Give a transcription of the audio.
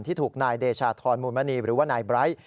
ที่ถูกนายเดชาธรมูลมณีหรือว่านายไบร์ท